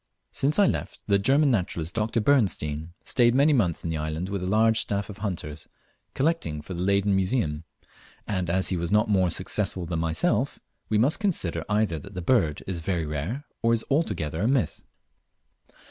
Since I left, the German naturalist, Dr. Bernstein, stayed many months in the island with a large staff of hunters collecting for the Leyden Museum; and as he was not more successful than myself, we must consider either that the bird is very rare, or is altogether a myth.